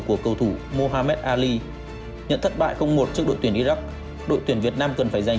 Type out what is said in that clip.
của cầu thủ mohammed ali nhận thất bại một trước đội tuyển iraq đội tuyển việt nam cần phải giành